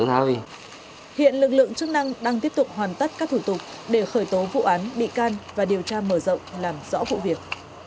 hiện lực lượng chức năng đang tiếp tục hoàn tất các thủ tục để khởi tố vụ án bị can và điều tra mở rộng làm rõ vụ việc